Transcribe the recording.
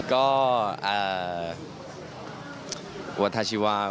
ก็อ่า